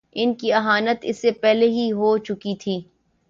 اس کی اہانت اس سے پہلے ہی ہو چکی تھی۔